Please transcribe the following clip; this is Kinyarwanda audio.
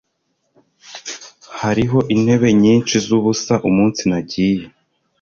Hariho intebe nyinshi zubusa umunsi nagiye.